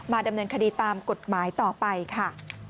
ดำเนินคดีตามกฎหมายต่อไปค่ะ